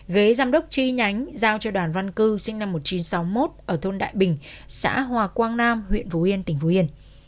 ghế giám đốc chi nhánh giao cho đoàn văn cư sinh năm một nghìn chín trăm sáu mươi một ở thôn đại bình xã hòa quang nam huyện phú yên tỉnh phú yên